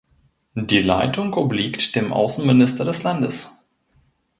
Die Leitung obliegt dem Außenminister des Landes.